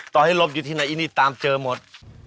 ต่อให้ลบอยู่ที่ไหนอีนี่ตามเจอหมด